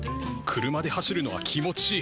車で走るのは気持ちいい。